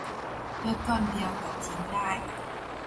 เลือดก้อนเดียวตัดทิ้งได้